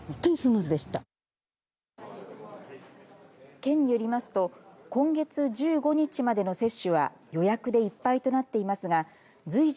県によりますと今月１５日までの接種は予約でいっぱいとなっていますが随時